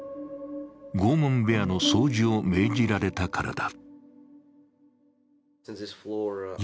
拷問部屋の掃除を命じられたからだ。